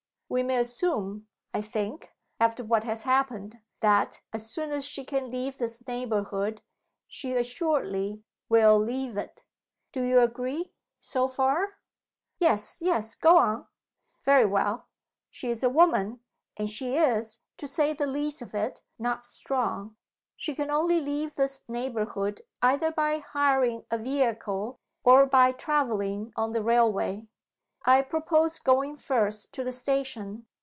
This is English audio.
We may assume, I think (after what has happened), that, as soon as she can leave this neighborhood, she assuredly will leave it. Do you agree, so far?" "Yes! yes! Go on." "Very well. She is a woman, and she is (to say the least of it) not strong. She can only leave this neighborhood either by hiring a vehicle or by traveling on the railway. I propose going first to the station.